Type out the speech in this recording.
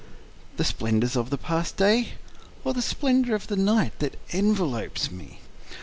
The splendors of the past day? Or the splendor of the night that envelopes me?